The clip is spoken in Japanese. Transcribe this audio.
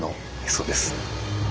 そうです。